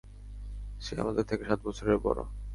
সে আমাদের থেকে সাত বছরের বড়।